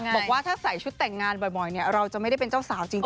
บอกว่าถ้าใส่ชุดแต่งงานบ่อยเราจะไม่ได้เป็นเจ้าสาวจริง